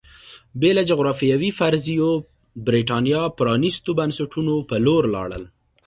بې له جغرافیوي فرضیو برېټانیا پرانېستو بنسټونو په لور لاړل